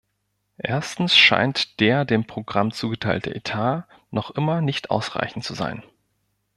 Erstens scheint der dem Programm zugeteilte Etat noch immer nicht ausreichend zu sein.